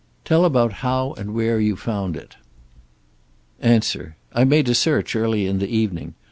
"Tell about how and where you found it." A. "I made a search early in the evening.